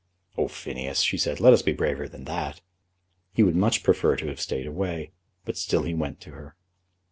"Oh, Phineas," she said, "let us be braver than that." He would much prefer to have stayed away, but still he went to her.